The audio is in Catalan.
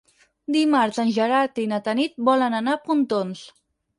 Dimarts en Gerard i na Tanit volen anar a Pontons.